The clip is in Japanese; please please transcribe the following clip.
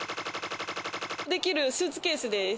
できるスーツケースです。